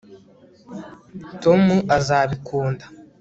tom azabikunda